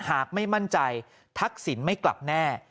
หากไม่มั่นใจทักษิณไม่กลับแน่